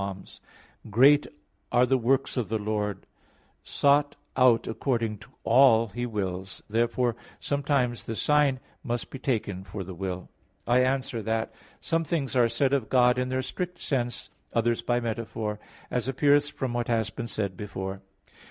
110:2: "Great are the works of the Lord, sought out according to all His wills." Therefore sometimes the sign must be taken for the will. I answer that, Some things are said of God in their strict sense; others by metaphor, as appears from what has been said before (Q.